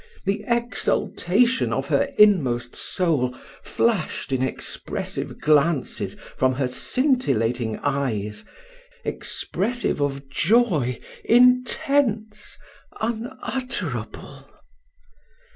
The exultation of her inmost soul flashed in expressive glances from her scintillating eyes, expressive of joy intense unutterable.